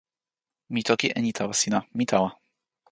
mi toki e ni tawa sina: mi tawa.